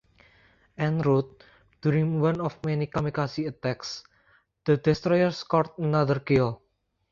En route, during one of many kamikaze attacks, the destroyer scored another kill.